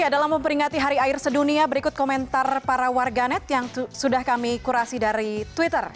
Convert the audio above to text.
dalam memperingati hari air sedunia berikut komentar para warganet yang sudah kami kurasi dari twitter